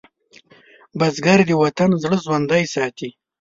بزګر د وطن زړه ژوندی ساتي